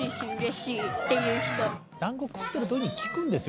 だんご食ってる時に聞くんですよ。